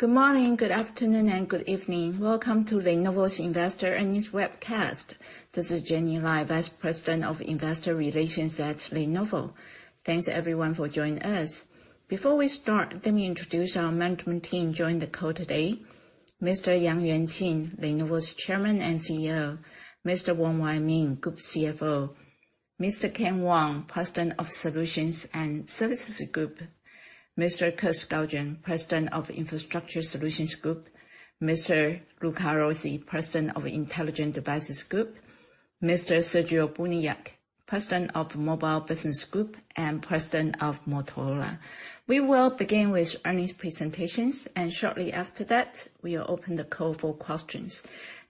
Good morning, good afternoon, and good evening. Welcome to Lenovo's Investor Earnings webcast. This is Jenny Lai, Vice President of Investor Relations at Lenovo. Thanks everyone for joining us. Before we start, let me introduce our management team joining the call today. Mr. Yang Yuanqing, Lenovo's Chairman and CEO. Mr. Wong Wai Ming, Group CFO. Mr. Ken Wong, President of Solutions and Services Group. Mr. Kirk Skaugen, President of Infrastructure Solutions Group. Mr. Luca Rossi, President of Intelligent Devices Group. Mr. Sergio Buniac, President of Mobile Business Group and President of Motorola. We will begin with earnings presentations, and shortly after that, we will open the call for questions.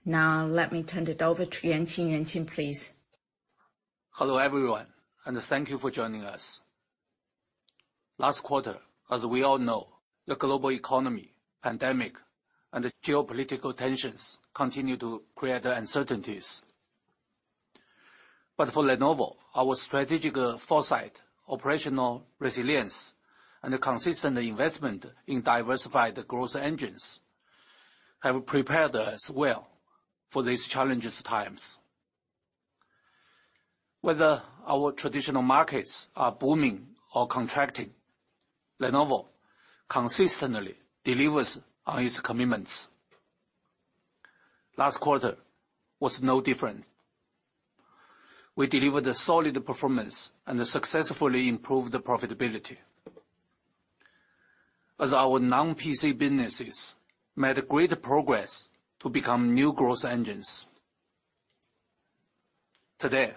Now, let me turn it over to Yuanqing. Yuanqing, please. Hello, everyone, and thank you for joining us. Last quarter, as we all know, the global economy, pandemic, and the geopolitical tensions continued to create uncertainties. For Lenovo, our strategic foresight, operational resilience, and the consistent investment in diversified growth engines have prepared us well for these challenging times. Whether our traditional markets are booming or contracting, Lenovo consistently delivers on its commitments. Last quarter was no different. We delivered a solid performance and successfully improved the profitability as our non-PC businesses made great progress to become new growth engines. Today,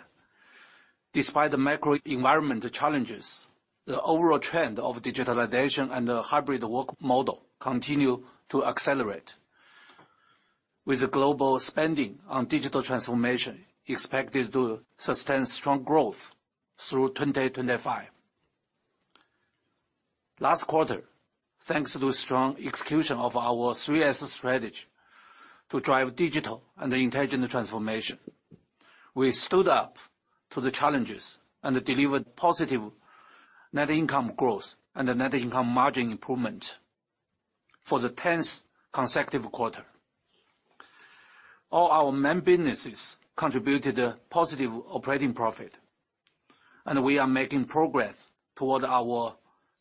despite the macro environmental challenges, the overall trend of digitalization and the hybrid work model continue to accelerate. With the global spending on digital transformation expected to sustain strong growth through 2025. Last quarter, thanks to strong execution of our 3S strategy to drive digital and intelligent transformation, we stood up to the challenges and delivered positive net income growth and a net income margin improvement for the 10th consecutive quarter. All our main businesses contributed a positive operating profit, and we are making progress toward our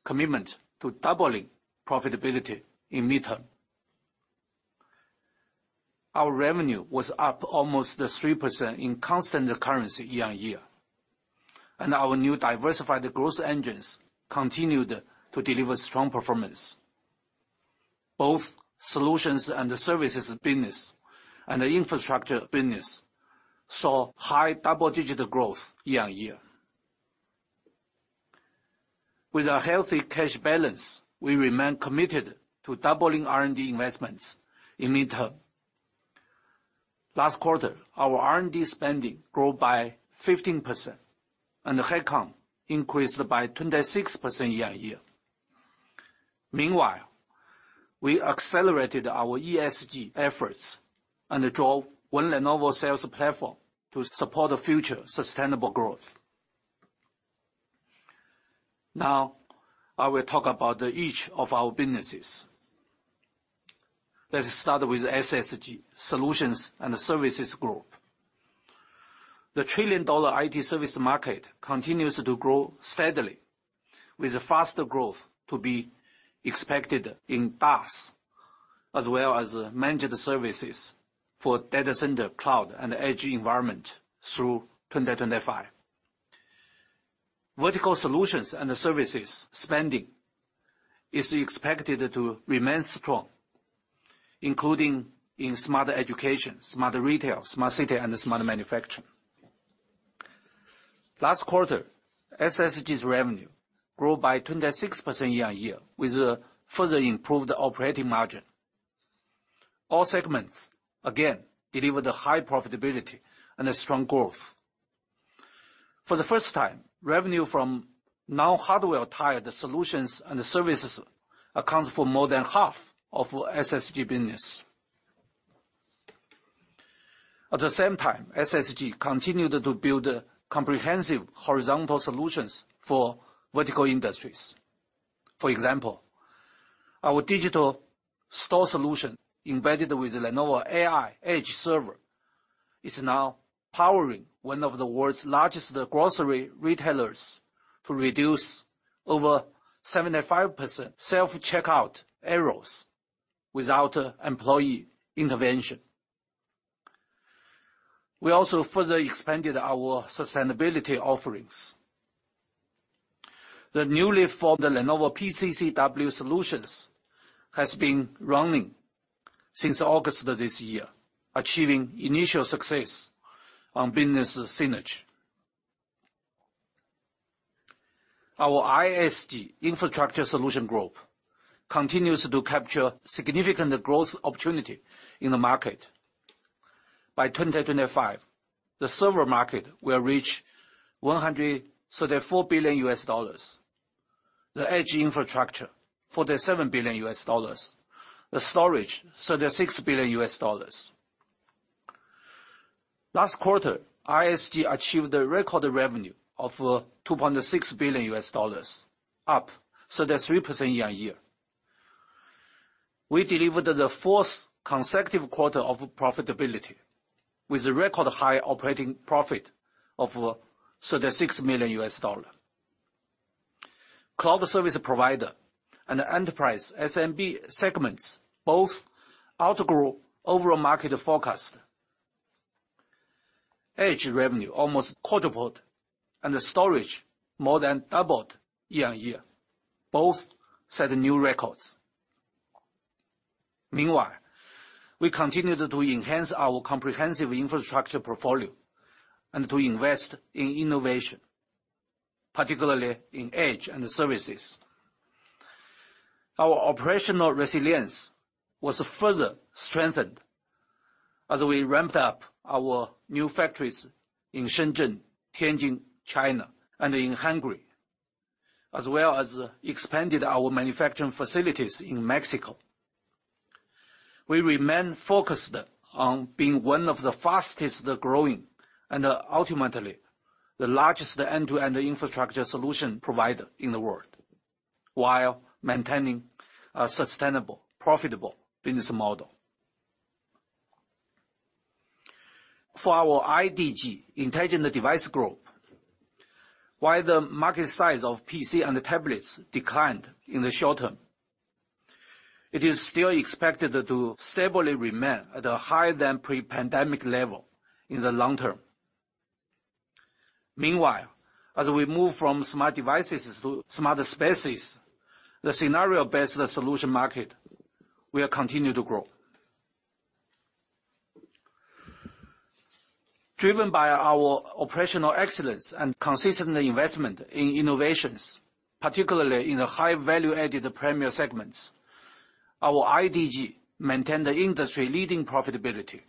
commitment to doubling profitability in midterm. Our revenue was up almost 3% in constant currency year-on-year, and our new diversified growth engines continued to deliver strong performance. Both solutions and the services business and the infrastructure business saw high double-digit growth year-on-year. With a healthy cash balance, we remain committed to doubling R&D investments in midterm. Last quarter, our R&D spending grew by 15% and head count increased by 26% year-on-year. Meanwhile, we accelerated our ESG efforts and drove our Lenovo sales platform to support the future sustainable growth. Now I will talk about each of our businesses. Let's start with SSG, Solutions and Services Group. The trillion-dollar IT service market continues to grow steadily with faster growth to be expected in DaaS as well as managed services for data center, cloud, and edge environment through 2025. Vertical solutions and services spending is expected to remain strong, including in smart education, smart retail, smart city, and smart manufacturing. Last quarter, SSG's revenue grew by 26% year-on-year with a further improved operating margin. All segments, again, delivered high profitability and strong growth. For the first time, revenue from non hardware-tied solutions and services accounts for more than half of SSG business. At the same time, SSG continued to build comprehensive horizontal solutions for vertical industries. For example, our digital store solution embedded with Lenovo AI Edge server is now powering one of the world's largest grocery retailers to reduce over 75% self-checkout errors without employee intervention. We also further expanded our sustainability offerings. The newly formed Lenovo PCCW Solutions has been running since August of this year, achieving initial success on business synergy. Our ISG, Infrastructure Solutions Group, continues to capture significant growth opportunity in the market. By 2025, the server market will reach $134 billion. The edge infrastructure, $47 billion. The storage, $36 billion. Last quarter, ISG achieved a record revenue of $2.6 billion, up 33% year on year. We delivered the fourth consecutive quarter of profitability with record high operating profit of $36 million. Cloud service provider and enterprise SMB segments both outgrew overall market forecast. Edge revenue almost quadrupled, and the storage more than doubled year-on-year. Both set new records. Meanwhile, we continued to enhance our comprehensive infrastructure portfolio and to invest in innovation, particularly in Edge and services. Our operational resilience was further strengthened as we ramped up our new factories in Shenzhen, Tianjin, China, and in Hungary, as well as expanded our manufacturing facilities in Mexico. We remain focused on being one of the fastest growing and ultimately the largest end-to-end infrastructure solution provider in the world while maintaining a sustainable, profitable business model. For our IDG, Intelligent Devices Group, while the market size of PC and the tablets declined in the short term, it is still expected to stably remain at a higher than pre-pandemic level in the long term. Meanwhile, as we move from smart devices to smarter spaces, the scenario-based solution market will continue to grow. Driven by our operational excellence and consistent investment in innovations, particularly in the high value-added premier segments, our IDG maintain the industry-leading profitability.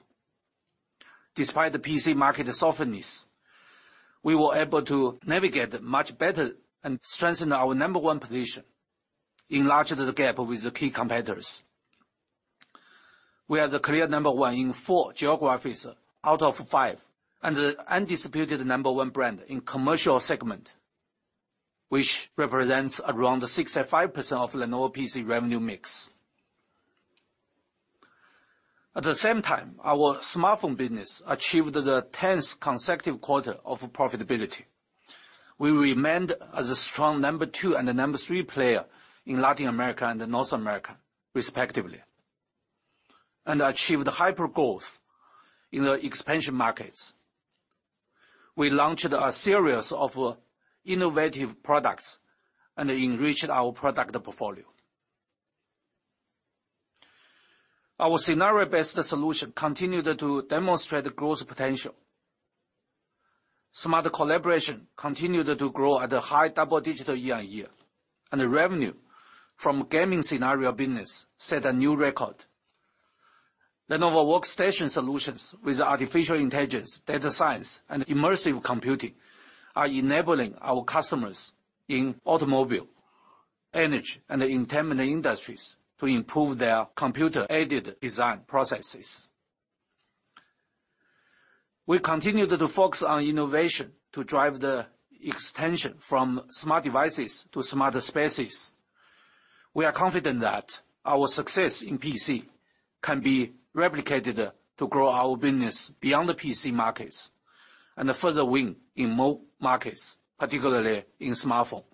Despite the PC market softness, we were able to navigate much better and strengthen our number one position, enlarged the gap with the key competitors. We are the clear number one in four geographies out of five, and the undisputed number one brand in commercial segment, which represents around 65% of Lenovo PC revenue mix. At the same time, our smartphone business achieved the tenth consecutive quarter of profitability. We remained as a strong number two and a number three player in Latin America and North America respectively, and achieved hyper-growth in the expansion markets. We launched a series of innovative products and enriched our product portfolio. Our scenario-based solution continued to demonstrate growth potential. Smart collaboration continued to grow at a high double-digit year-on-year, and the revenue from gaming scenario business set a new record. Lenovo workstation solutions with artificial intelligence, data science, and immersive computing are enabling our customers in automobile, energy, and in terminal industries to improve their computer-aided design processes. We continued to focus on innovation to drive the extension from smart devices to smarter spaces. We are confident that our success in PC can be replicated to grow our business beyond the PC markets and further win in more markets, particularly in smartphone.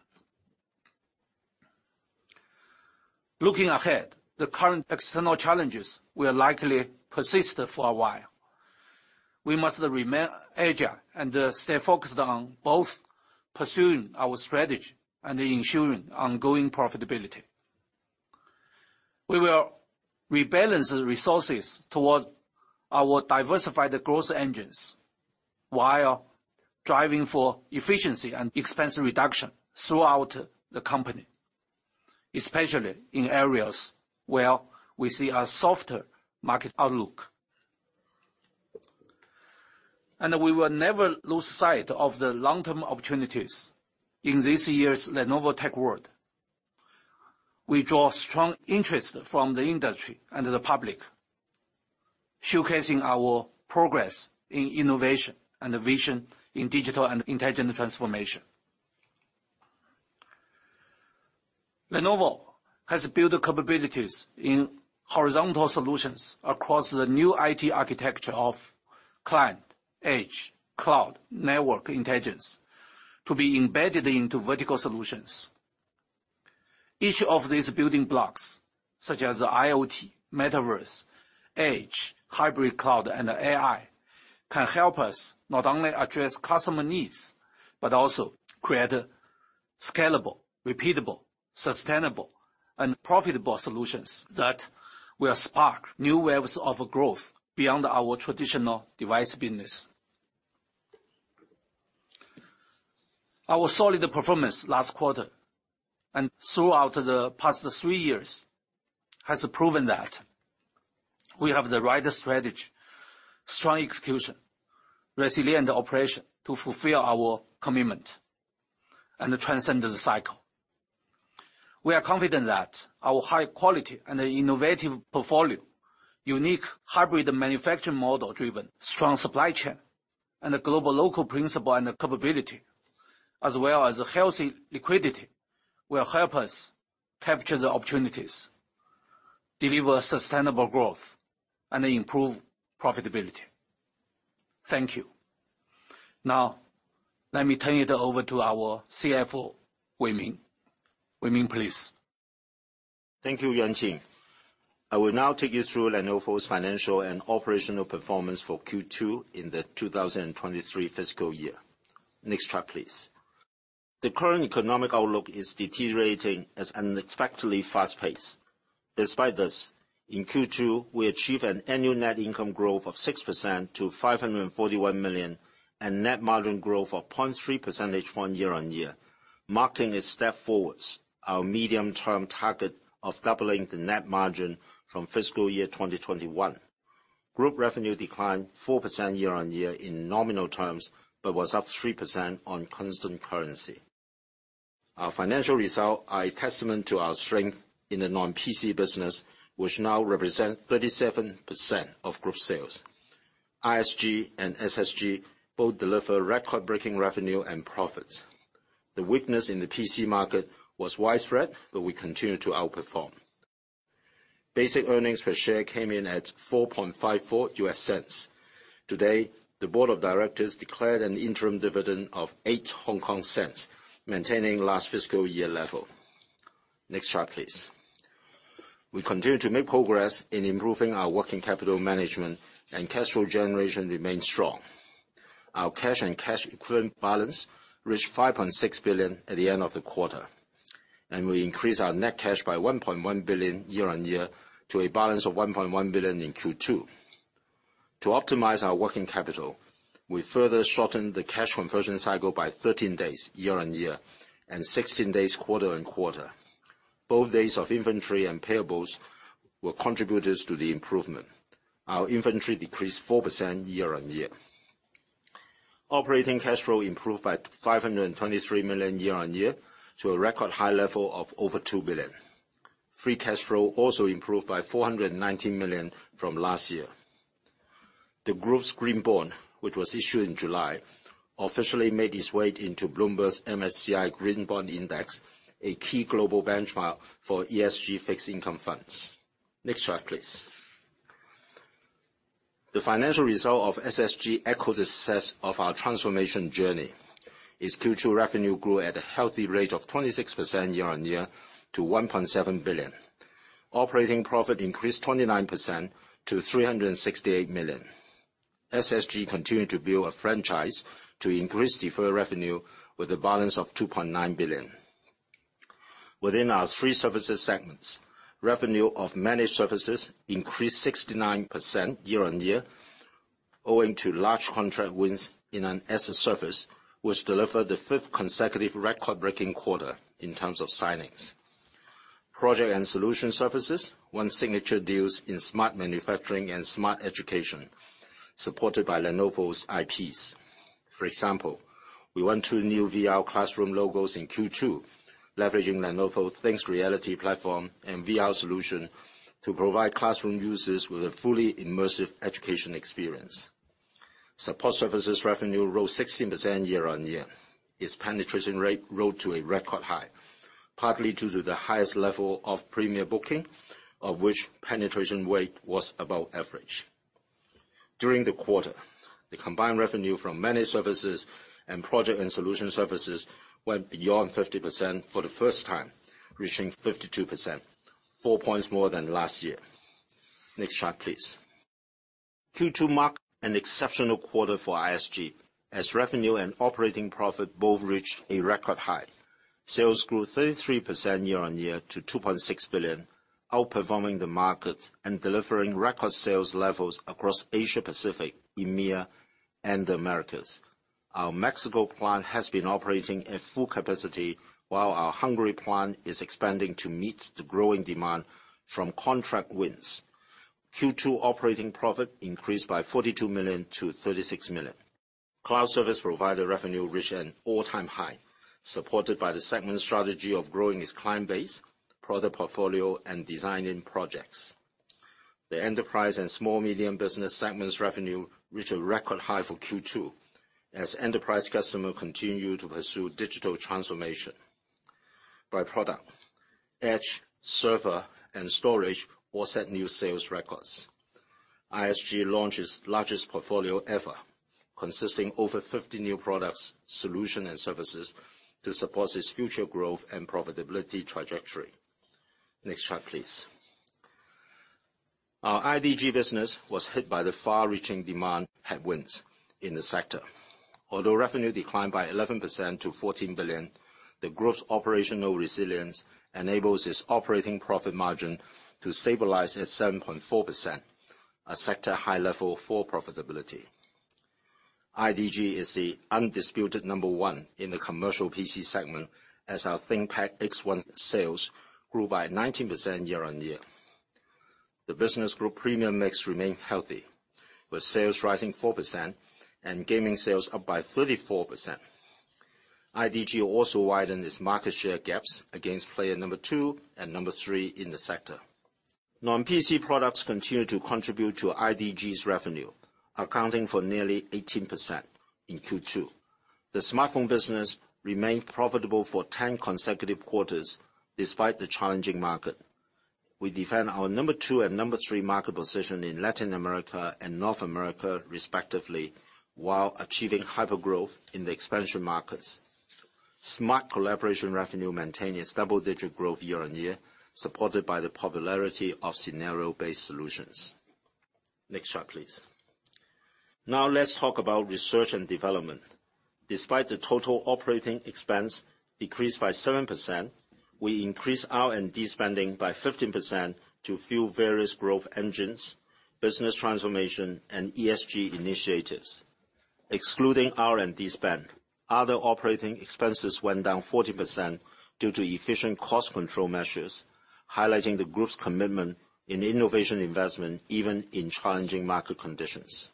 Looking ahead, the current external challenges will likely persist for a while. We must remain agile and stay focused on both pursuing our strategy and ensuring ongoing profitability. We will rebalance the resources toward our diversified growth engines while driving for efficiency and expense reduction throughout the company, especially in areas where we see a softer market outlook. We will never lose sight of the long-term opportunities. In this year's Lenovo Tech World, we draw strong interest from the industry and the public, showcasing our progress in innovation and vision in digital and intelligent transformation. Lenovo has built capabilities in horizontal solutions across the new IT architecture of client, edge, cloud, network intelligence to be embedded into vertical solutions. Each of these building blocks, such as IoT, metaverse, edge, hybrid cloud, and AI, can help us not only address customer needs, but also create scalable, repeatable, sustainable, and profitable solutions that will spark new waves of growth beyond our traditional device business. Our solid performance last quarter and throughout the past three years has proven that we have the right strategy, strong execution, resilient operation to fulfill our commitment and transcend the cycle. We are confident that our high quality and innovative portfolio, unique hybrid manufacturing model-driven, strong supply chain, and the global local principle and the capability, as well as a healthy liquidity, will help us capture the opportunities, deliver sustainable growth, and improve profitability. Thank you. Now, let me turn it over to our CFO, Wai Ming. Wai Ming, please. Thank you, Yuanqing. I will now take you through Lenovo's financial and operational performance for Q2 in the 2023 fiscal year. Next chart, please. The current economic outlook is deteriorating at an unexpectedly fast pace. Despite this, in Q2, we achieved an annual net income growth of 6% to $541 million, and net margin growth of 0.3 percentage points year-on-year, marking a step forward. Our medium-term target of doubling the net margin from fiscal year 2021. Group revenue declined 4% year-on-year in nominal terms, but was up 3% on constant currency. Our financial results are a testament to our strength in the non-PC business, which now represents 37% of group sales. ISG and SSG both deliver record-breaking revenue and profits. The weakness in the PC market was widespread, but we continue to outperform. Basic earnings per share came in at $0.0454. Today, the board of directors declared an interim dividend of 0.08, maintaining last fiscal year level. Next chart, please. We continue to make progress in improving our working capital management, and cash flow generation remains strong. Our cash and cash equivalent balance reached $5.6 billion at the end of the quarter, and we increased our net cash by $1.1 billion year-on-year to a balance of $1.1 billion in Q2. To optimize our working capital, we further shortened the cash conversion cycle by 13 days year-on-year and 16 days quarter-on-quarter. Both days of inventory and payables were contributors to the improvement. Our inventory decreased 4% year-on-year. Operating cash flow improved by $523 million year-on-year to a record high level of over $2 billion. Free cash flow also improved by $419 million from last year. The group's green bond, which was issued in July, officially made its way into Bloomberg MSCI Green Bond Index, a key global benchmark for ESG fixed income funds. Next chart, please. The financial result of SSG echo the success of our transformation journey. Its Q2 revenue grew at a healthy rate of 26% year-on-year to $1.7 billion. Operating profit increased 29% to $368 million. SSG continued to build a franchise to increase deferred revenue with a balance of $2.9 billion. Within our three services segments, revenue of managed services increased 69% year-on-year owing to large contract wins in an asset service which delivered the fifth consecutive record-breaking quarter in terms of signings. Project and solution services won signature deals in smart manufacturing and smart education, supported by Lenovo's IPs. For example, we won two new VR classroom logos in Q2, leveraging Lenovo ThinkReality platform and VR solution to provide classroom users with a fully immersive education experience. Support services revenue rose 16% year-on-year. Its penetration rate rose to a record high, partly due to the highest level of premier booking, of which penetration rate was above average. During the quarter, the combined revenue from managed services and project and solution services went beyond 50% for the first time, reaching 52%, four points more than last year. Next chart, please. Q2 marked an exceptional quarter for ISG, as revenue and operating profit both reached a record high. Sales grew 33% year-on-year to $2.6 billion, outperforming the market and delivering record sales levels across Asia-Pacific, EMEA, and the Americas. Our Mexico plant has been operating at full capacity, while our Hungary plant is expanding to meet the growing demand from contract wins. Q2 operating profit increased by $42 million to $36 million. Cloud service provider revenue reached an all-time high, supported by the segment strategy of growing its client base, product portfolio, and design-in projects. The enterprise and small/medium business segments revenue reached a record high for Q2 as enterprise customers continued to pursue digital transformation. By product, Edge, Server, and Storage all set new sales records. ISG launched its largest portfolio ever, consisting of over 50 new products, solutions, and services to support its future growth and profitability trajectory. Next chart, please. Our IDG business was hit by the far-reaching demand headwinds in the sector. Although revenue declined by 11% to $14 billion, the group's operational resilience enables its operating profit margin to stabilize at 7.4%, a sector high level for profitability. IDG is the undisputed number one in the commercial PC segment as our ThinkPad X1 sales grew by 19% year-on-year. The business group premium mix remain healthy, with sales rising 4% and gaming sales up by 34%. IDG also widened its market share gaps against player number two and number three in the sector. Non-PC products continue to contribute to IDG's revenue, accounting for nearly 18% in Q2. The smartphone business remained profitable for 10 consecutive quarters, despite the challenging market. We defend our number two and number three market position in Latin America and North America respectively, while achieving hyper-growth in the expansion markets. Smart collaboration revenue maintained its double-digit growth year-on-year, supported by the popularity of scenario-based solutions. Next chart, please. Now let's talk about research and development. Despite the total operating expense decreased by 7%, we increased R&D spending by 15% to fuel various growth engines, business transformation, and ESG initiatives. Excluding R&D spend, other operating expenses went down 40% due to efficient cost control measures, highlighting the group's commitment in innovation investment even in challenging market conditions.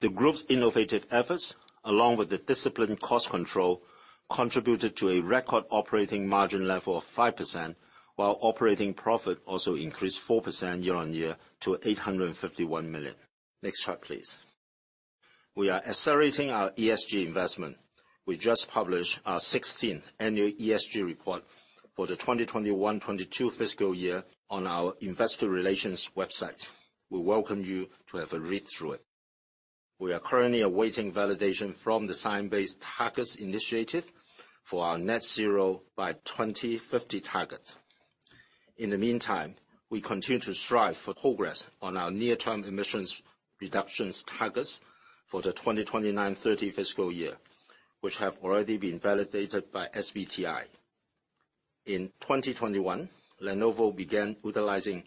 The group's innovative efforts, along with the disciplined cost control, contributed to a record operating margin level of 5%, while operating profit also increased 4% year-on-year to $851 million. Next chart, please. We are accelerating our ESG investment. We just published our 16th annual ESG report for the 2021-22 fiscal year on our investor relations website. We welcome you to have a read through it. We are currently awaiting validation from the Science Based Targets initiative for our net zero by 2050 target. In the meantime, we continue to strive for progress on our near-term emissions reductions targets for the 2029/30 fiscal year, which have already been validated by SBTi. In 2021, Lenovo began utilizing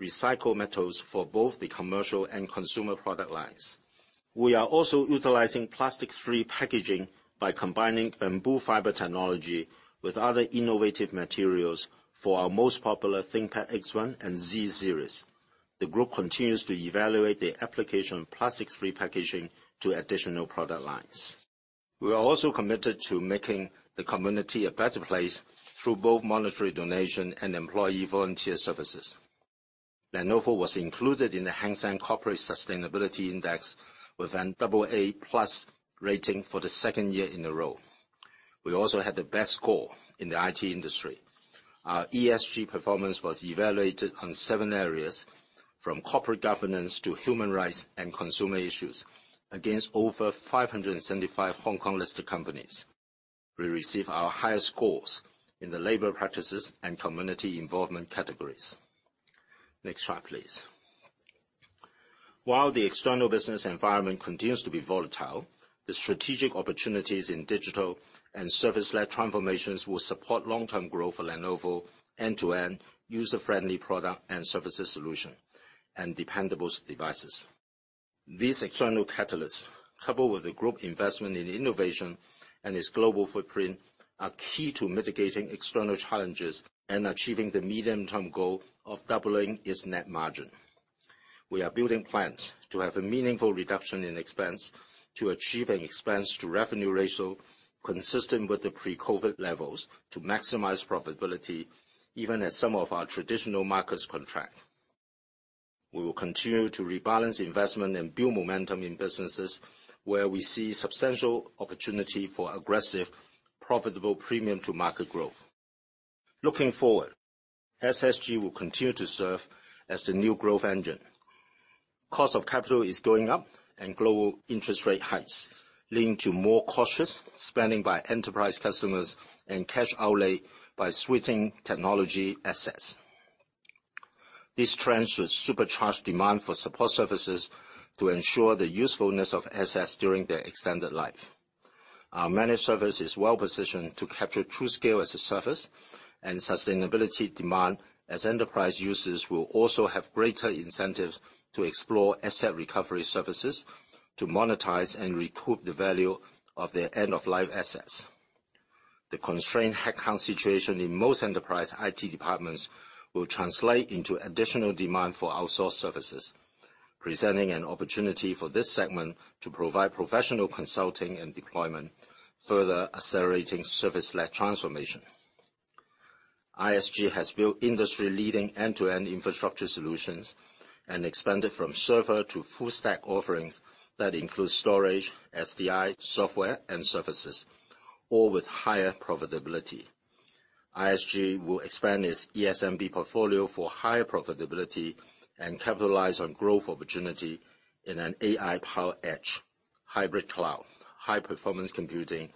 recycled metals for both the commercial and consumer product lines. We are also utilizing plastic-free packaging by combining bamboo fiber technology with other innovative materials for our most popular ThinkPad X1 and Z series. The group continues to evaluate the application of plastic-free packaging to additional product lines. We are also committed to making the community a better place through both monetary donation and employee volunteer services. Lenovo was included in the Hang Seng Corporate Sustainability Index with a double-A plus rating for the second year in a row. We also had the best score in the IT industry. Our ESG performance was evaluated on seven areas, from corporate governance to human rights and consumer issues, against over 575 Hong Kong-listed companies. We received our highest scores in the labor practices and community involvement categories. Next chart, please. While the external business environment continues to be volatile, the strategic opportunities in digital and service-led transformations will support long-term growth for Lenovo end-to-end user-friendly product and services solution and dependable devices. These external catalysts, coupled with the group investment in innovation and its global footprint, are key to mitigating external challenges and achieving the medium-term goal of doubling its net margin. We are building plans to have a meaningful reduction in expense to achieve an Expense-to-Revenue ratio consistent with the pre-COVID levels to maximize profitability, even as some of our traditional markets contract. We will continue to rebalance investment and build momentum in businesses where we see substantial opportunity for aggressive, profitable premium-to-market growth. Looking forward, SSG will continue to serve as the new growth engine. Cost of capital is going up, and global interest rate hikes leading to more cautious spending by enterprise customers and cash outlay for switching technology assets. These trends will supercharge demand for support services to ensure the usefulness of assets during their extended life. Our managed service is well-positioned to capture TruScale as-a-service and sustainability demand as enterprise users will also have greater incentives to explore asset recovery services to monetize and recoup the value of their end-of-life assets. The constrained headcount situation in most enterprise IT departments will translate into additional demand for outsourced services, presenting an opportunity for this segment to provide professional consulting and deployment, further accelerating service-led transformation. ISG has built industry-leading end-to-end infrastructure solutions and expanded from server to full stack offerings that include storage, SDI, software, and services, all with higher profitability. ISG will expand its ESMB portfolio for higher profitability and capitalize on growth opportunity in an AI-powered edge, hybrid cloud, high-performance computing,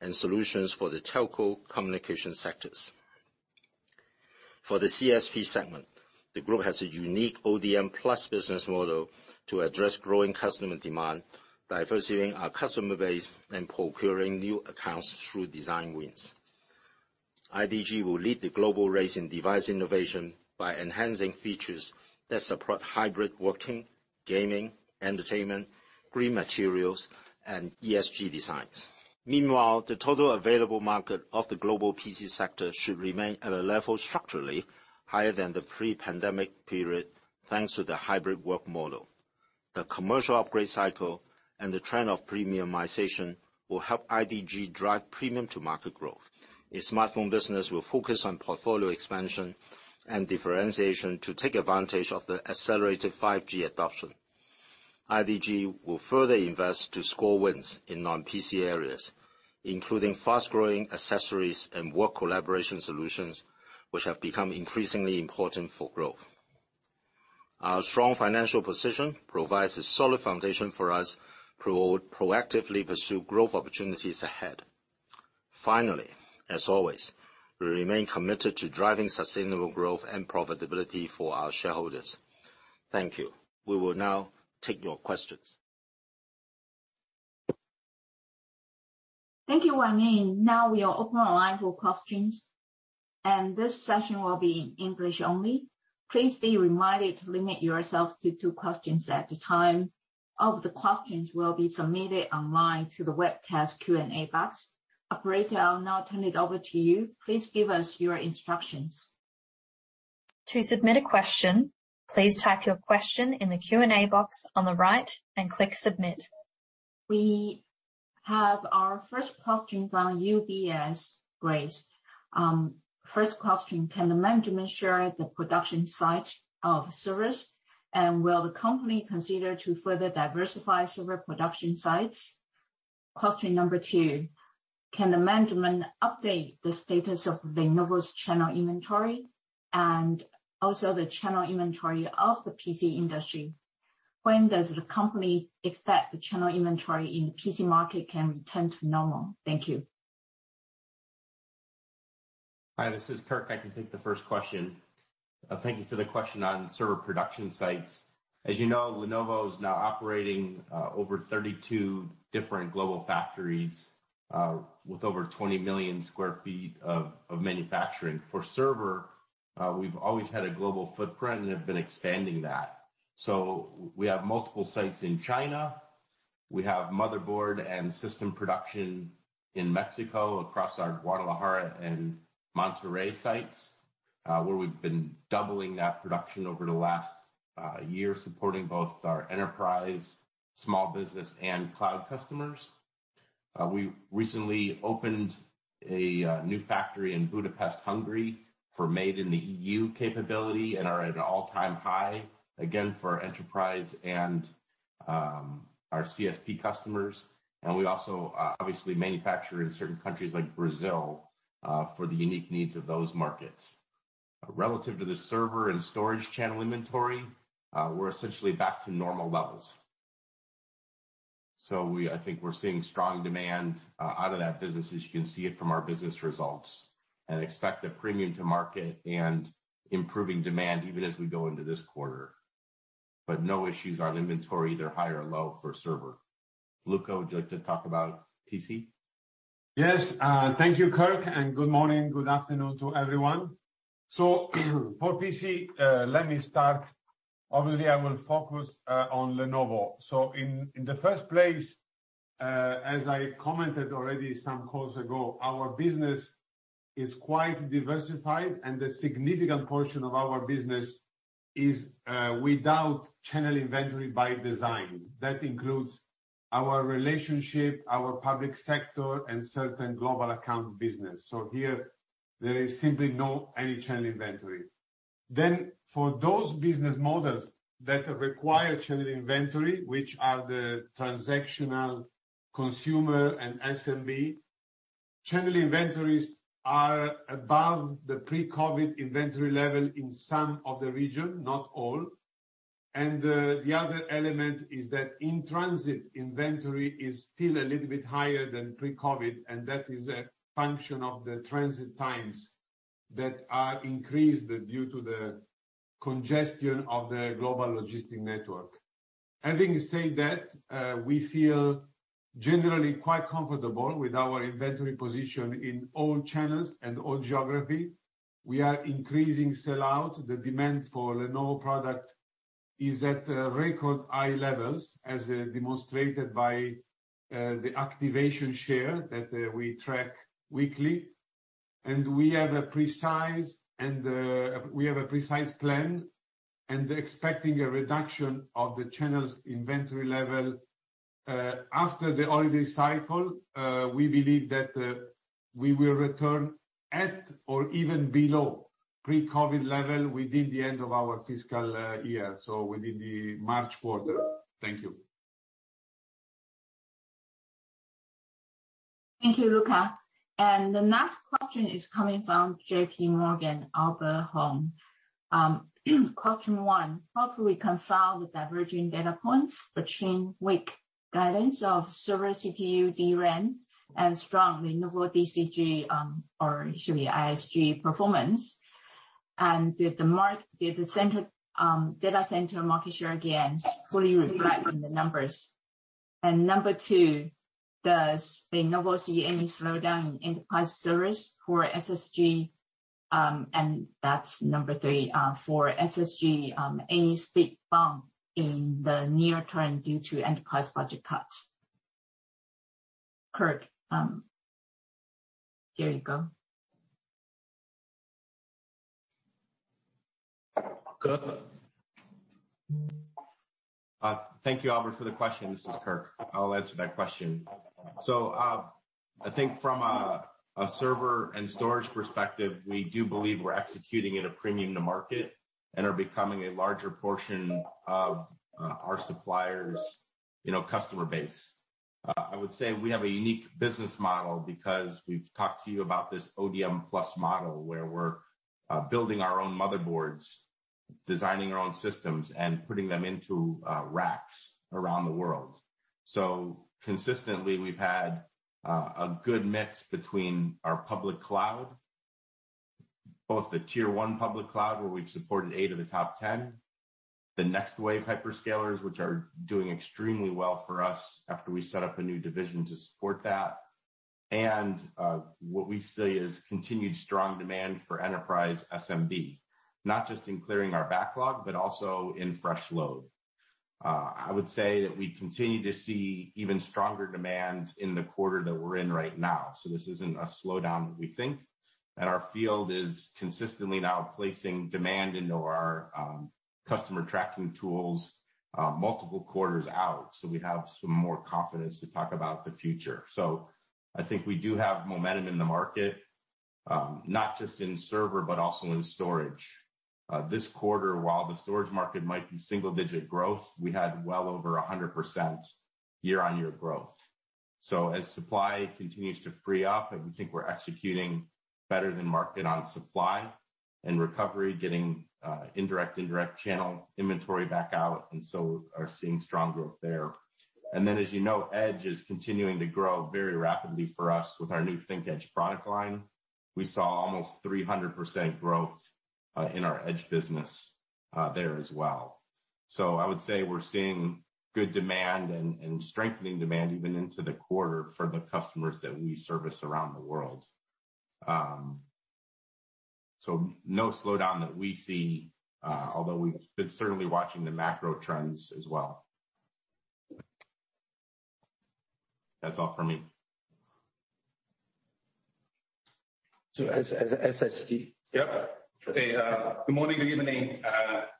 and solutions for the telco communication sectors. For the CSP segment, the group has a unique ODM+ business model to address growing customer demand by diversifying our customer base and procuring new accounts through design wins. IDG will lead the global race in device innovation by enhancing features that support hybrid working, gaming, entertainment, green materials, and ESG designs. Meanwhile, the total available market of the global PC sector should remain at a level structurally higher than the pre-pandemic period thanks to the hybrid work model. The commercial upgrade cycle and the trend of premiumization will help IDG drive premium to market growth. Its smartphone business will focus on portfolio expansion and differentiation to take advantage of the accelerated 5G adoption. IDG will further invest to score wins in non-PC areas, including fast-growing accessories and work collaboration solutions, which have become increasingly important for growth. Our strong financial position provides a solid foundation for us to proactively pursue growth opportunities ahead. Finally, as always, we remain committed to driving sustainable growth and profitability for our shareholders. Thank you. We will now take your questions. Thank you, Wai Ming Wong. Now we are open online for questions, and this session will be in English only. Please be reminded to limit yourself to two questions at a time. All of the questions will be submitted online to the webcast Q&A box. Operator, I'll now turn it over to you. Please give us your instructions. To submit a question, please type your question in the Q&A box on the right and click Submit. We have our first question from UBS, Grace. First question. Can the management share the production site of servers? And will the company consider to further diversify server production sites? Question number two. Can the management update the status of Lenovo's channel inventory and also the channel inventory of the PC industry? When does the company expect the channel inventory in the PC market can return to normal? Thank you. Hi, this is Kirk. I can take the first question. Thank you for the question on server production sites. As you know, Lenovo is now operating over 32 different global factories with over 20 million sq ft of manufacturing. For server, we've always had a global footprint and have been expanding that. We have multiple sites in China. We have motherboard and system production in Mexico across our Guadalajara and Monterrey sites where we've been doubling that production over the last year, supporting both our enterprise, small business and cloud customers. We recently opened a new factory in Budapest, Hungary, for made in the EU capability and are at an all-time high, again, for our enterprise and our CSP customers. We also obviously manufacture in certain countries like Brazil for the unique needs of those markets. Relative to the server and storage channel inventory, we're essentially back to normal levels. I think we're seeing strong demand out of that business, as you can see it from our business results, and expect a premium to market and improving demand even as we go into this quarter. No issues on inventory, either high or low for server. Luca, would you like to talk about PC? Yes. Thank you, Kirk, and good morning, good afternoon to everyone. For PC, let me start. Obviously, I will focus on Lenovo. In the first place, as I commented already some calls ago, our business is quite diversified and the significant portion of our business is without channel inventory by design. That includes our relationship, our public sector, and certain global account business. Here there is simply no any channel inventory. For those business models that require channel inventory, which are the transactional consumer and SMB, channel inventories are above the pre-COVID inventory level in some of the region, not all. The other element is that in-transit inventory is still a little bit higher than pre-COVID, and that is a function of the transit times that are increased due to the congestion of the global logistics network. Having said that, we feel generally quite comfortable with our inventory position in all channels and all geography. We are increasing sell-out. The demand for Lenovo product is at record high levels, as demonstrated by the activation share that we track weekly. We have a precise plan, and expecting a reduction of the channel's inventory level after the holiday cycle. We believe that we will return at or even below pre-COVID level within the end of our fiscal year, so within the March quarter. Thank you. Thank you, Luca. The next question is coming from J.P. Morgan, Albert Hong. Question one, how do we reconcile the diverging data points between weak guidance of server CPU DRAM and strong Lenovo DCG, or should be ISG performance? Did the market data center market share again fully reflect in the numbers? Number two, does Lenovo see any slowdown in enterprise service for SSG, and that's number three. For SSG, any speed bump in the near term due to enterprise budget cuts? Kirk, here you go. Good. Thank you, Albert Hong, for the question. This is Kirk Skaugen. I'll answer that question. I think from a server and storage perspective, we do believe we're executing at a premium to market and are becoming a larger portion of our suppliers, you know, customer base. I would say we have a unique business model because we've talked to you about this ODM+ model where we're building our own motherboards, designing our own systems, and putting them into racks around the world. Consistently, we've had a good mix between our public cloud, both the tier one public cloud, where we've supported eight of the top 10. The next wave hyperscalers, which are doing extremely well for us after we set up a new division to support that. What we see is continued strong demand for enterprise SMB, not just in clearing our backlog, but also in fresh load. I would say that we continue to see even stronger demand in the quarter that we're in right now. This isn't a slowdown that we think. Our field is consistently now placing demand into our customer tracking tools multiple quarters out. We have some more confidence to talk about the future. I think we do have momentum in the market, not just in server but also in storage. This quarter, while the storage market might be single-digit growth, we had well over 100% year-on-year growth. As supply continues to free up, and we think we're executing better than market on supply and recovery, getting indirect channel inventory back out, and so are seeing strong growth there. As you know, Edge is continuing to grow very rapidly for us with our new ThinkEdge product line. We saw almost 300% growth in our Edge business there as well. I would say we're seeing good demand and strengthening demand even into the quarter for the customers that we service around the world. No slowdown that we see, although we've been certainly watching the macro trends as well. That's all for me. SSG. Yep. Hey, good morning, good evening.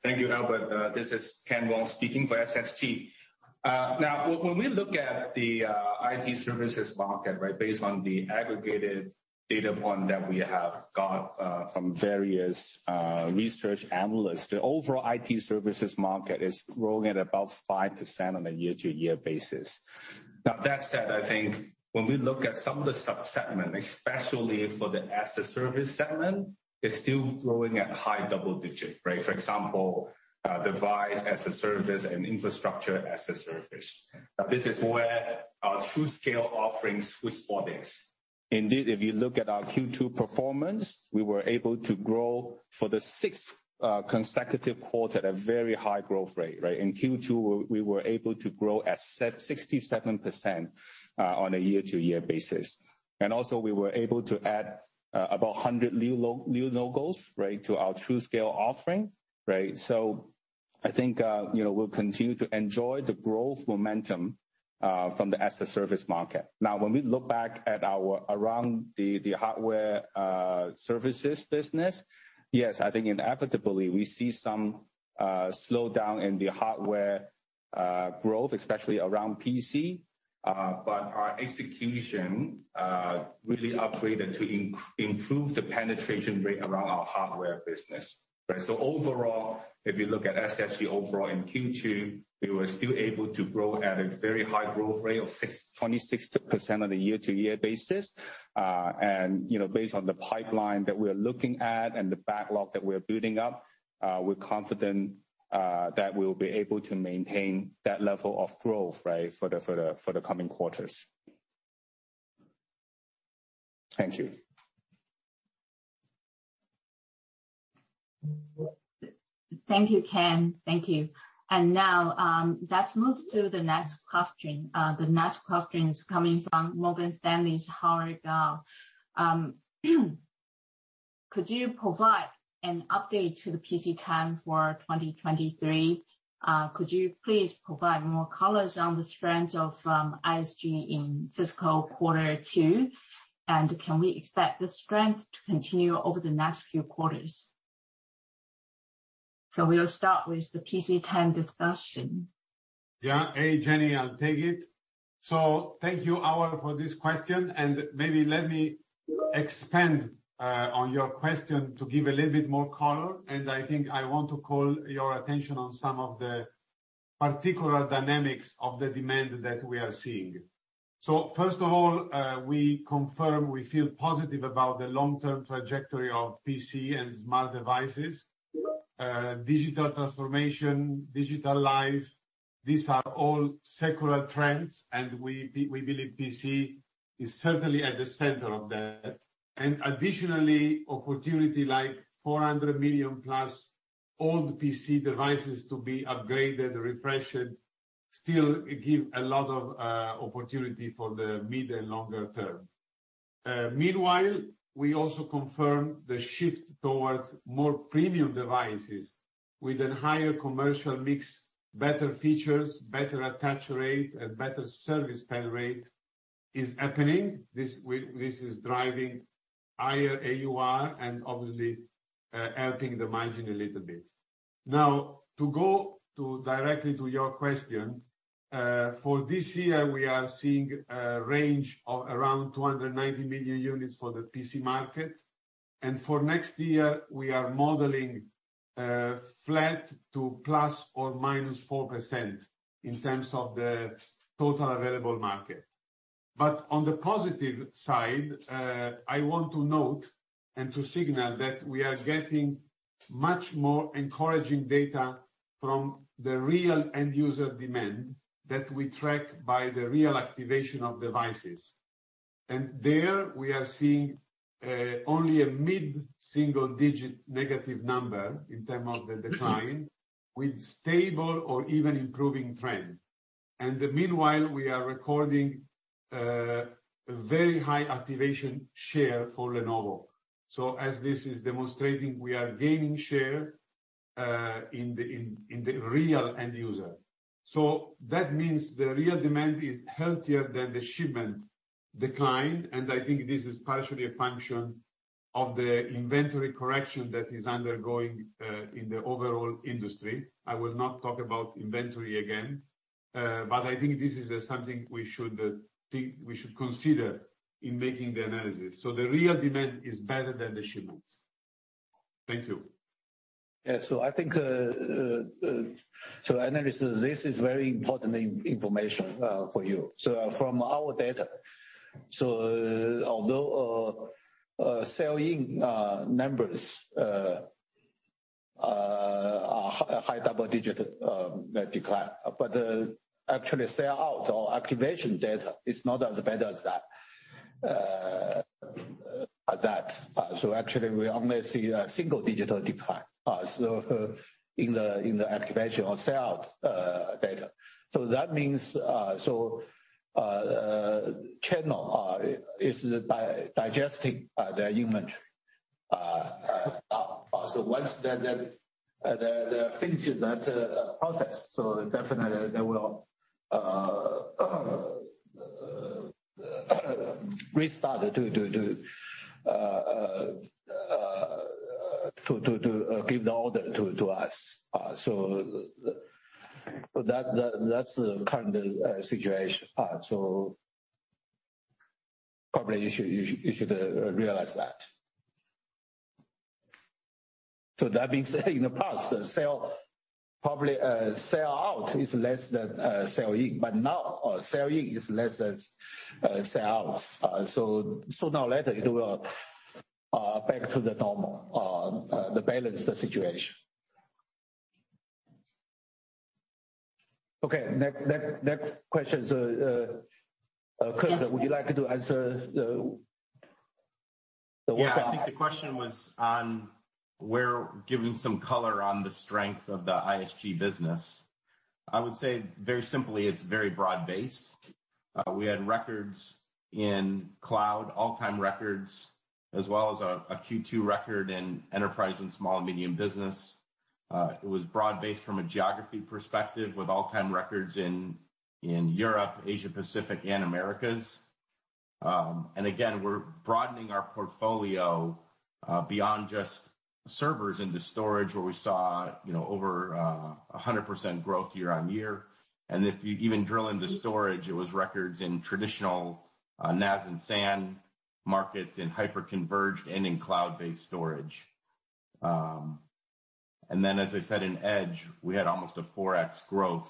Thank you, Albert. This is Ken Wong speaking for SSG. Now when we look at the IT services market, right? Based on the aggregated data point that we have got from various research analysts, the overall IT services market is growing at about 5% on a year-to-year basis. Now, that said, I think when we look at some of the subsegment, especially for the as a service segment, it's still growing at high double digits, right? For example, device as a service and infrastructure as a service. Now, this is where our TruScale offerings will support this. Indeed, if you look at our Q2 performance, we were able to grow for the sixth consecutive quarter at a very high growth rate, right? In Q2, we were able to grow at 6.67% on a year-to-year basis. Also, we were able to add about 100 new logos, right? To our TruScale offering, right? I think you know, we'll continue to enjoy the growth momentum from the as a service market. Now, when we look back at our around the hardware services business. Yes, I think inevitably we see some slowdown in the hardware growth, especially around PC. But our execution really upgraded to improve the penetration rate around our hardware business, right? Overall, if you look at SSG overall in Q2, we were still able to grow at a very high growth rate of 26% on a year-to-year basis. You know, based on the pipeline that we're looking at and the backlog that we're building up, we're confident that we'll be able to maintain that level of growth, right? For the coming quarters. Thank you. Thank you, Ken. Thank you. Now, let's move to the next question. The next question is coming from Morgan Stanley's Howard Kao. Could you provide an update to the PC TAM for 2023? Could you please provide more color on the strength of ISG in fiscal quarter two? And can we expect the strength to continue over the next few quarters? We'll start with the PC TAM discussion. Yeah. Hey, Jenny. I'll take it. Thank you, Howard, for this question. Maybe let me expand on your question to give a little bit more color. I think I want to call your attention on some of the particular dynamics of the demand that we are seeing. First of all, we confirm we feel positive about the long-term trajectory of PC and smart devices. Digital transformation, digital life, these are all secular trends, and we believe PC is certainly at the center of that. Additionally, opportunity like 400 million-plus old PC devices to be upgraded, refreshed, still give a lot of opportunity for the mid and longer term. Meanwhile, we also confirm the shift towards more premium devices with a higher commercial mix, better features, better attach rate, and better service pay rate is happening. This is driving higher AUR and obviously, helping the margin a little bit. Now, to go directly to your question, for this year, we are seeing a range of around 290 million units for the PC market. For next year, we are modeling flat to ±4% in terms of the total available market. On the positive side, I want to note and to signal that we are getting much more encouraging data from the real end user demand that we track by the real activation of devices. There we are seeing only a mid-single-digit negative number in terms of the decline, with stable or even improving trend. Meanwhile, we are recording a very high activation share for Lenovo. As this is demonstrating, we are gaining share in the real end user. That means the real demand is healthier than the shipment decline, and I think this is partially a function of the inventory correction that is undergoing in the overall industry. I will not talk about inventory again, but I think this is something we should consider in making the analysis. The real demand is better than the shipments. Thank you. Yeah. I think, analyst, this is very important information for you. From our data, although sell-in numbers are a high double-digit decline, but actually sell-out or activation data is not as bad as that. Actually, we only see a single-digit decline in the activation or sell-out data. That means channel is digesting the inventory. Once they finish that process, definitely they will restart to give the order to us. That's the current situation. Probably you should realize that. That being said, in the past, the sell-out is less than sell-in, but now sell-in is less than sell-outs. Sooner or later, it will back to the normal balanced situation. Okay. Next question is, Chris- Yes. Would you like to answer the one- Yeah. I think the question was on our giving some color on the strength of the ISG business. I would say very simply it's very broad-based. We had records in cloud, all-time records, as well as a Q2 record in enterprise and small and medium business. It was broad-based from a geography perspective with all-time records in Europe, Asia, Pacific, and Americas. And again, we're broadening our portfolio beyond just servers into storage, where we saw, you know, over 100% growth year-on-year. If you even drill into storage, it was records in traditional NAS and SAN markets, in hyper-converged and in cloud-based storage. And then as I said, in edge, we had almost a 4x growth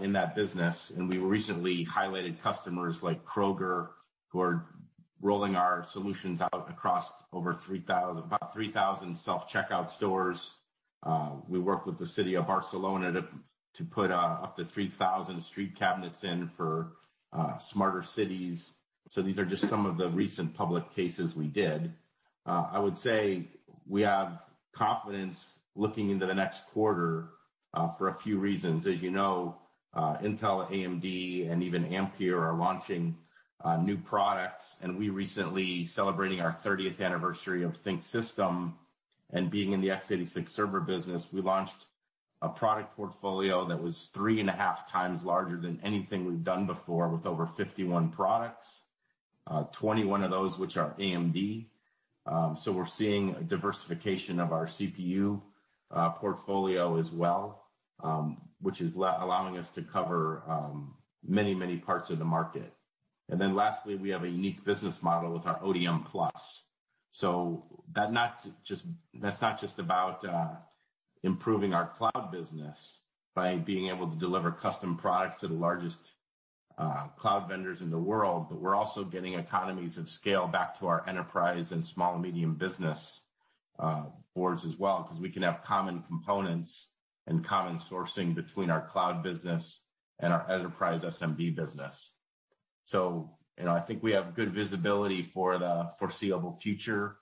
in that business. We recently highlighted customers like Kroger, who are rolling our solutions out across about 3,000 self-checkout stores. We work with the city of Barcelona to put up to 3,000 street cabinets in for smarter cities. These are just some of the recent public cases we did. I would say we have confidence looking into the next quarter for a few reasons. As you know, Intel, AMD, and even Ampere are launching new products. We recently celebrating our 30th anniversary of ThinkSystem and being in the X86 server business. We launched a product portfolio that was 3.5 times larger than anything we've done before with over 51 products. Twenty-one of those which are AMD. We're seeing a diversification of our CPU portfolio as well, which is allowing us to cover many parts of the market. Then lastly, we have a unique business model with our ODM Plus. That not just-- that's not just about improving our cloud business by being able to deliver custom products to the largest cloud vendors in the world, but we're also getting economies of scale back to our enterprise and small and medium business SMBs as well, 'cause we can have common components and common sourcing between our cloud business and our enterprise SMB business. You know, I think we have good visibility for the foreseeable future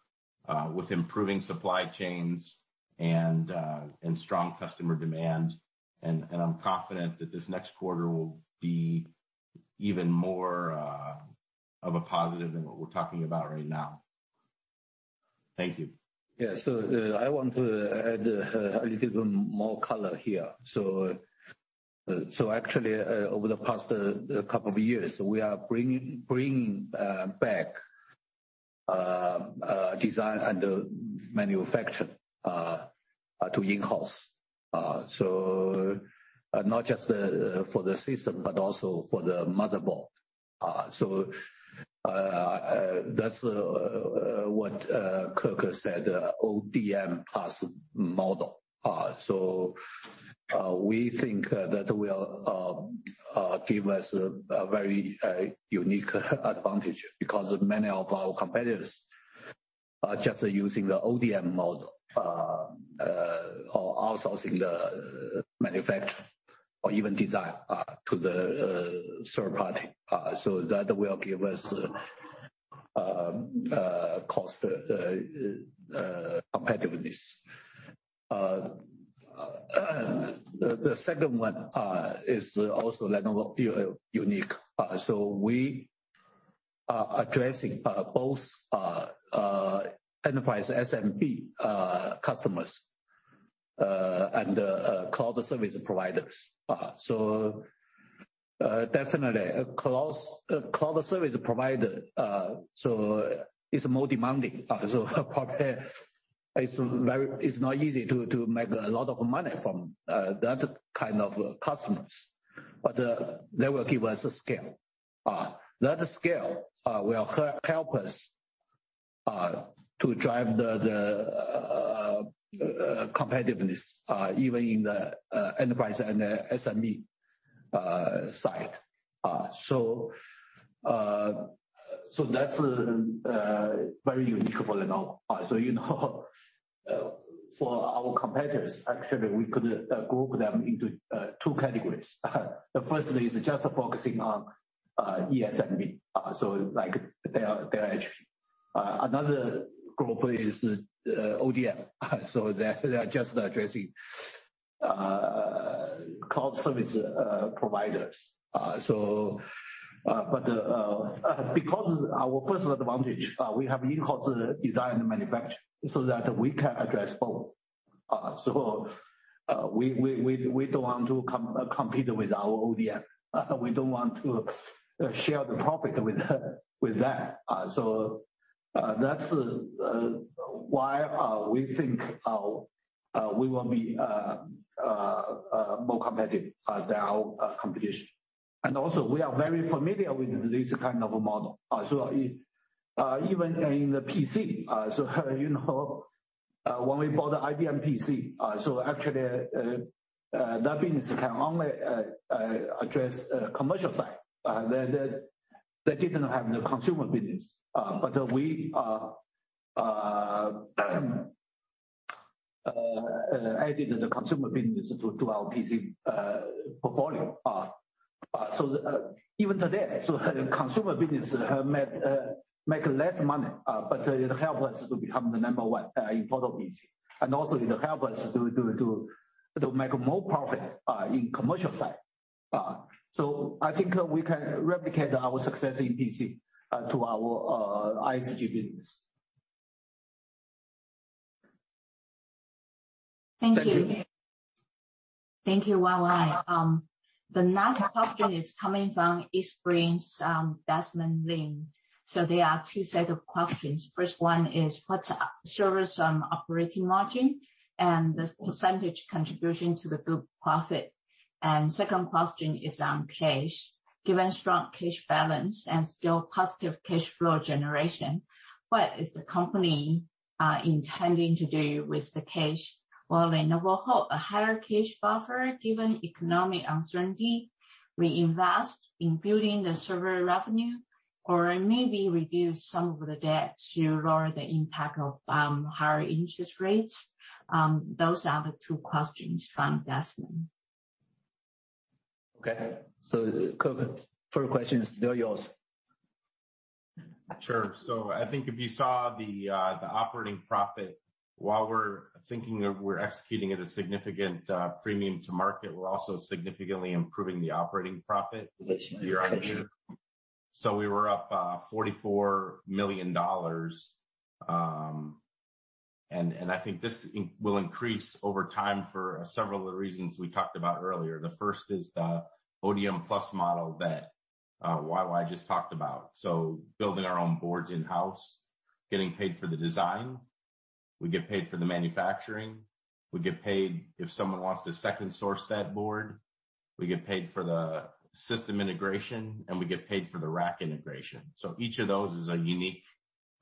with improving supply chains and strong customer demand. I'm confident that this next quarter will be even more of a positive than what we're talking about right now. Thank you. I want to add a little bit more color here. Actually, over the past couple of years, we are bringing back design and manufacturing to in-house. Not just for the system but also for the motherboard. That's what Kirk said, ODM+ model. We think that will give us a very unique advantage because many of our competitors are just using the ODM model or outsourcing the manufacture or even design to the third party. That will give us cost competitiveness. The second one is also Lenovo unique. We are addressing both enterprise SMB customers and cloud service providers. Definitely a cloud service provider. It's more demanding. It's not easy to make a lot of money from that kind of customers, but they will give us scale. That scale will help us to drive the competitiveness even in the enterprise and the SMB side. That's very unique for Lenovo. You know, for our competitors, actually, we could group them into two categories. The first is just focusing on ESMB, so like Dell EMC. Another group is ODM, so they're just addressing cloud service providers. Because our first advantage, we have in-house design and manufacture so that we can address both. We don't want to compete with our ODM. We don't want to share the profit with that. That's why we think we will be more competitive than our competition. Also we are very familiar with this kind of model. Even in the PC. You know, when we bought the IBM PC, that business can only address commercial side. They didn't have the consumer business, but we added the consumer business to our PC portfolio. Even today, consumer business make less money, but it helped us to become the number one in portable PC. Also it helped us to make more profit in commercial side. I think we can replicate our success in PC to our ISG business. Thank you. Thank you, YY. The next question is coming from Eastspring Investments, Desmond Ling. There are two sets of questions. First one is what's the servers' operating margin and the percentage contribution to the group profit? Second question is on cash. Given strong cash balance and still positive cash flow generation, what is the company intending to do with the cash? Will Lenovo hold a higher cash buffer given economic uncertainty, reinvest in building the server revenue, or maybe reduce some of the debt to lower the impact of higher interest rates? Those are the two questions from Desmond. Okay. Kirk, first question is still yours. Sure. I think if you saw the operating profit, while we're executing at a significant premium to market, we're also significantly improving the operating profit year-over-year. We were up $44 million, and I think this will increase over time for several of the reasons we talked about earlier. The first is the ODM+ model that YY just talked about. Building our own boards in-house, getting paid for the design, we get paid for the manufacturing, we get paid if someone wants to second source that board, we get paid for the system integration, and we get paid for the rack integration. Each of those is a unique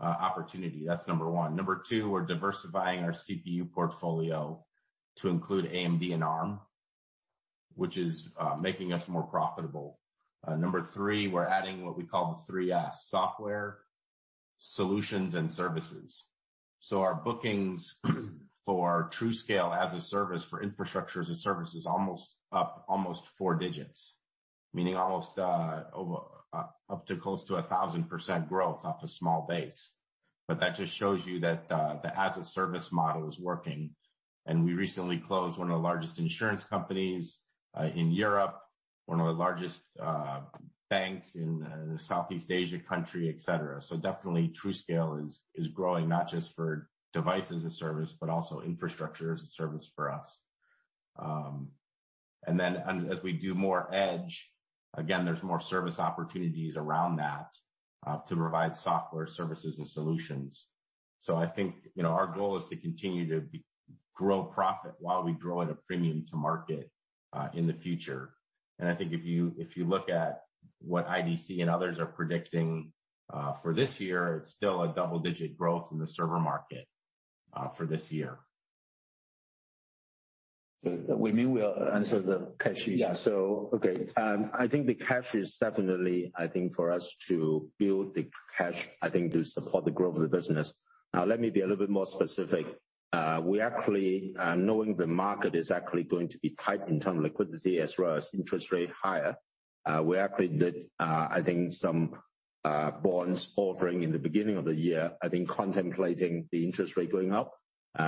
opportunity. That's number one. Number two, we're diversifying our CPU portfolio to include AMD and Arm, which is making us more profitable. Number three, we're adding what we call the three Fs. Software, solutions, and services. Our bookings for TruScale as a service for infrastructure as a service is up almost four digits, meaning up to close to 1,000% growth off a small base. That just shows you that the as-a-service model is working. We recently closed one of the largest insurance companies in Europe, one of the largest banks in a Southeast Asian country, et cetera. Definitely TruScale is growing not just for device as a service, but also infrastructure as a service for us. Then as we do more edge, again, there's more service opportunities around that to provide software services and solutions. I think, you know, our goal is to continue to grow profit while we grow at a premium to market in the future. I think if you look at what IDC and others are predicting for this year, it's still a double-digit growth in the server market for this year. Weimin will answer the cash issue. Yeah. Okay. I think the cash is definitely, I think for us to build the cash, I think to support the growth of the business. Now, let me be a little bit more specific. We actually, knowing the market is actually going to be tight in terms of liquidity as well as interest rate higher, we actually did, I think some bonds offering in the beginning of the year, I think contemplating the interest rate going up.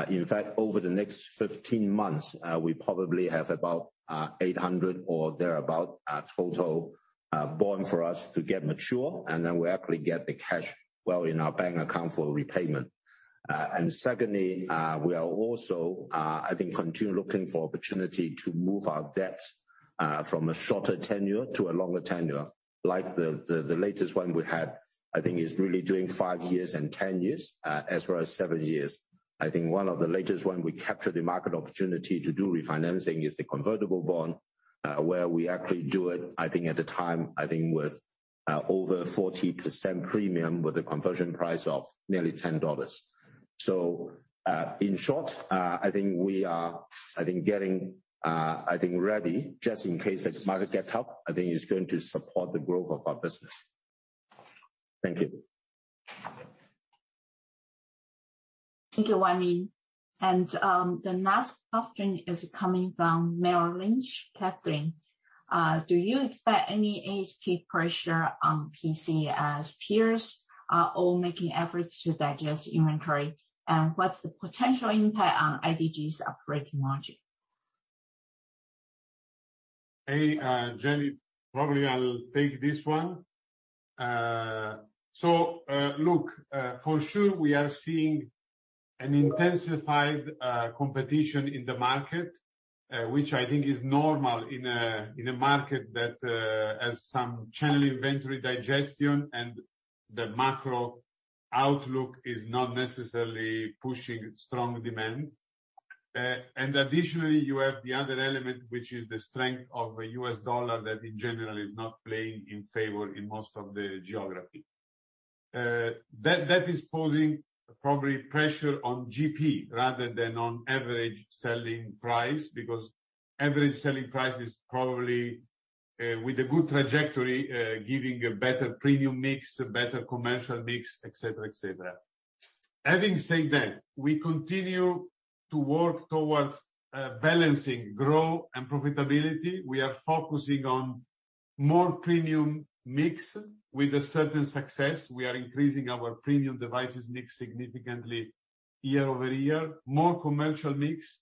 In fact, over the next 15 months, we probably have about $800 or thereabout total bond for us to get mature, and then we actually get the cash flow in our bank account for repayment. Secondly, we are also, I think, continue looking for opportunity to move our debt from a shorter tenure to a longer tenure. Like the latest one we had, I think is really doing five years and 10 years, as well as seven years. I think one of the latest one we capture the market opportunity to do refinancing is the convertible bond, where we actually do it, I think at the time, I think with over 40% premium with a conversion price of nearly $10. In short, I think we are, I think getting, I think ready just in case the market gets up, I think it's going to support the growth of our business. Thank you. Thank you, Weimin. The next question is coming from Merrill Lynch. Catherine, do you expect any ASP pressure on PC as peers are all making efforts to digest inventory? What's the potential impact on IDG's operating margin? Hey, Jenny, probably I'll take this one. Look, for sure we are seeing an intensified competition in the market, which I think is normal in a market that has some channel inventory digestion and the macro outlook is not necessarily pushing strong demand. Additionally, you have the other element, which is the strength of the U.S. dollar that in general is not playing in favor in most of the geography. That is posing probably pressure on GP rather than on average selling price, because average selling price is probably with a good trajectory, giving a better premium mix, a better commercial mix, et cetera, et cetera. Having said that, we continue to work towards balancing growth and profitability. We are focusing on more premium mix with a certain success. We are increasing our premium devices mix significantly year over year, more commercial mix,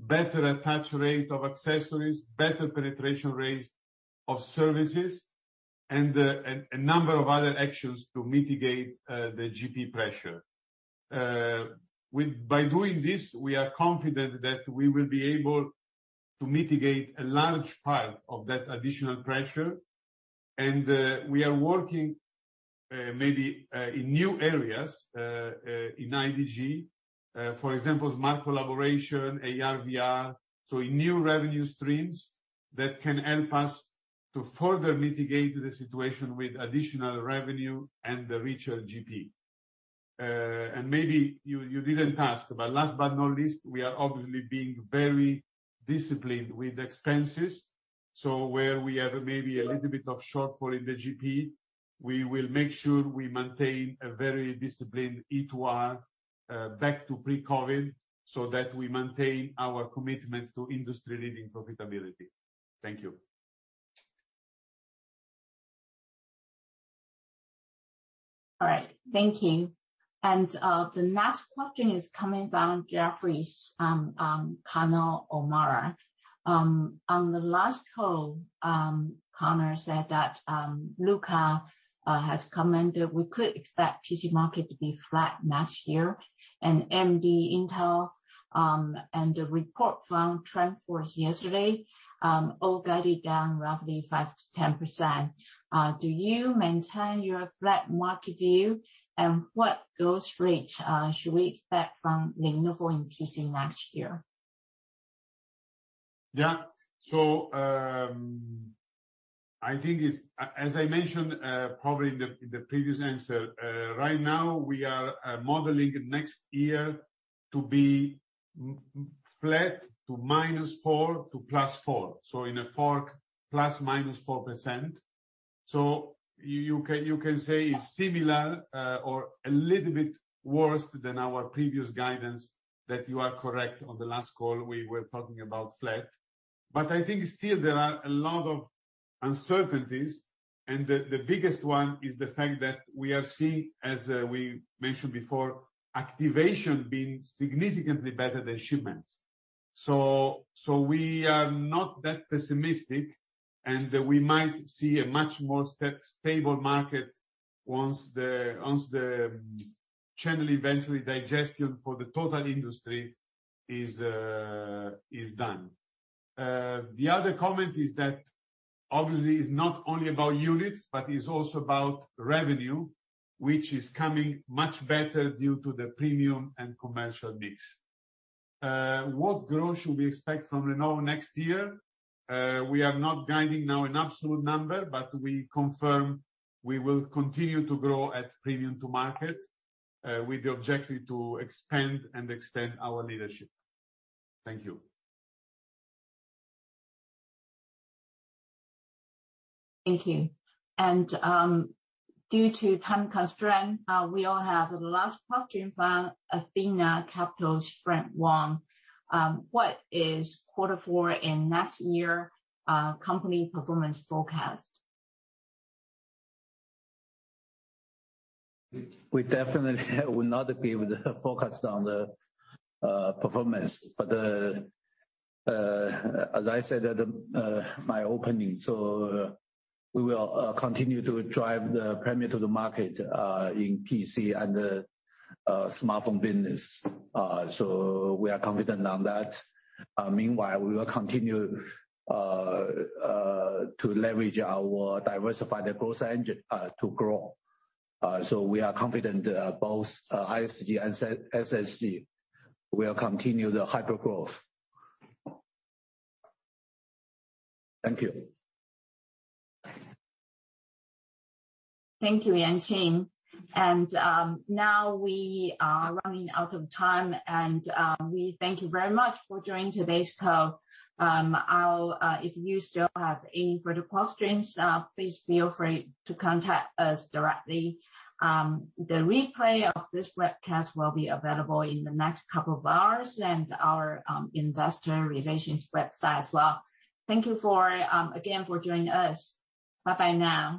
better attach rate of accessories, better penetration rates of services and a number of other actions to mitigate the GP pressure. By doing this, we are confident that we will be able to mitigate a large part of that additional pressure. We are working maybe in new areas in IDG, for example, smart collaboration, AR/VR. In new revenue streams that can help us to further mitigate the situation with additional revenue and the richer GP. Maybe you didn't ask, but last but not least, we are obviously being very disciplined with expenses. Where we have maybe a little bit of shortfall in the GP, we will make sure we maintain a very disciplined E to R back to pre-COVID, so that we maintain our commitment to industry-leading profitability. Thank you. All right. Thank you. The next question is coming from Jefferies, Conor O'Mara. On the last call, Conor said that Luca has commented we could expect PC market to be flat next year and AMD and Intel and the report from TrendForce yesterday all guided down roughly 5%-10%. Do you maintain your flat market view and what growth rate should we expect from Lenovo in PC next year? Yeah. I think it's as I mentioned, probably in the previous answer, right now we are modeling next year to be flat to -4 to +4. In a fork, ±4%. You can say it's similar, or a little bit worse than our previous guidance. That, you are correct, on the last call we were talking about flat. I think still there are a lot of uncertainties, and the biggest one is the fact that we are seeing, as we mentioned before, activation being significantly better than shipments. We are not that pessimistic, and we might see a much more stable market once the channel inventory digestion for the total industry is done. The other comment is that obviously it's not only about units, but it's also about revenue, which is coming much better due to the premium and commercial mix. What growth should we expect from Lenovo next year? We are not guiding now an absolute number, but we confirm we will continue to grow at premium to market, with the objective to expand and extend our leadership. Thank you. Thank you. Due to time constraint, we'll have the last question from Athena Capital's Frank Wong. What is quarter four and next year, company performance forecast? We definitely will not be able to forecast on the performance. As I said in my opening, we will continue to drive the premium to the market in PC and the smartphone business. We are confident on that. Meanwhile, we will continue to leverage our diversified growth engine to grow. We are confident both ISG and SSG will continue the hypergrowth. Thank you. Thank you, Yuanqing. Now we are running out of time, and we thank you very much for joining today's call. If you still have any further questions, please feel free to contact us directly. The replay of this webcast will be available in the next couple of hours in our Investor Relations website as well. Thank you again for joining us. Bye bye now.